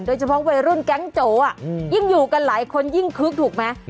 โดยเฉพาะวัยรุ่นแก๊งโจยิ่งอยู่กันหลายคนยิ่งคึกถูกไหม